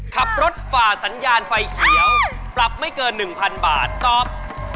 ขับรถฝ่าสัญญาณไฟเขียวปรับไม่เกิน๑๐๐๐บาทตอบ